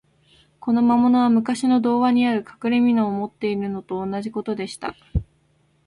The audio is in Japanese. この魔物は、むかしの童話にある、かくれみのを持っているのと同じことでした。